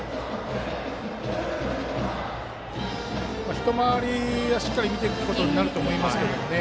１回り目はしっかり見ていくことになると思いますけどね。